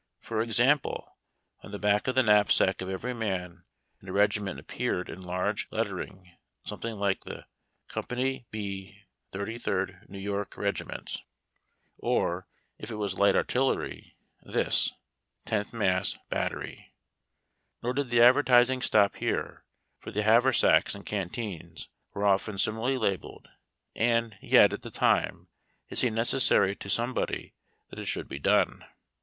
For example, on the back of the knapsack of every man in a regiment appeared in large lettering something like this: Co. B, 33d New York Regi A ZOUAVE. 278 HARD TACK AND COFFEE. ment ; or, if it was light artillery, this, 10th Mass. Battery. Nor did the advertising stop here, for the haversacks and canteens were often similarly labelled, and yet, at the time, it seemed necessary to somebody that it should be done.